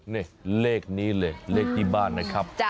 นี่เลขนี้เลยเลขที่บ้านนะครับ